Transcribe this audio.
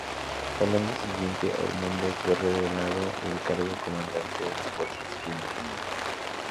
El año siguiente, Ormonde fue relevado del cargo de comandante de las fuerzas irlandesas.